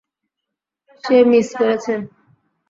সে miss করেছে!